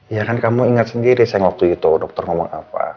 ya kan kamu ingat sendiri saya waktu itu dokter ngomong apa